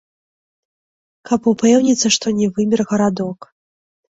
Каб упэўніцца, што не вымер гарадок.